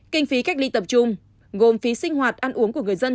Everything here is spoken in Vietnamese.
kinh phí cách ly tập trung gồm phí sinh hoạt ăn uống của người dân